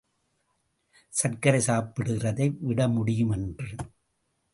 சர்க்கரை சாப்பிடுகிறதை விட முடியும் என்று.